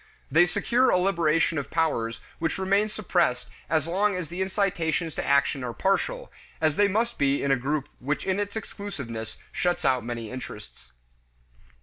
They secure a liberation of powers which remain suppressed as long as the incitations to action are partial, as they must be in a group which in its exclusiveness shuts out many interests.